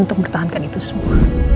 untuk bertahankan itu semua